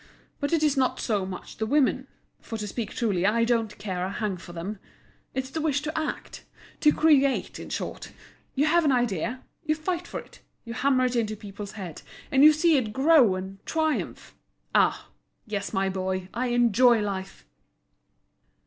But it is not so much the women, for to speak truly, I don't care a hang for them; it's the wish to act—to create, in short. You have an idea; you fight for it, you hammer it into people's heads, and you see it grow and triumph. Ah! yes, my boy, I enjoy life!"